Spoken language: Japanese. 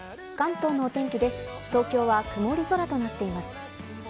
東京は曇り空となっています。